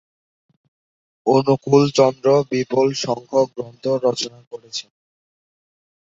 অনুকূলচন্দ্র বিপুল সংখ্যক গ্রন্থ রচনা করেছেন।